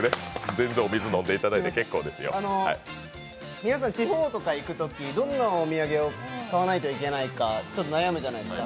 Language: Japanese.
皆さん、地方とか行くときどんなお土産を買わないといけないかちょっと悩むじゃないですか。